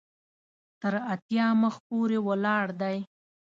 تر اتیا مخ پورې ولاړ دی.